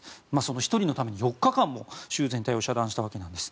１人のために４日間も州全体を遮断したわけです。